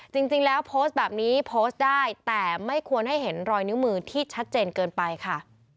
จริงแล้วโพสต์แบบนี้โพสต์ได้แต่ไม่ควรให้เห็นรอยนิ้วมือที่ชัดเจนเกินไปค่ะ